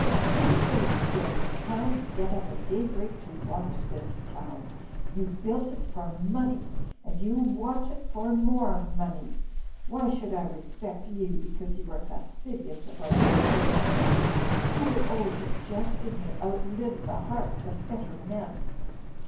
You say you built this town and get up at daybreak to watch this town. You built it for money and you watch it for more money. Why should I respect you because you are fastidious about food, that your poor old digestion may outlive the hearts of better men?